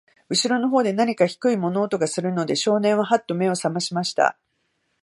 後ろの方で、なにか低い物音がするので、少年は、はっと目を覚ましました。